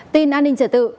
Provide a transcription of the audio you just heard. tin an ninh trở tự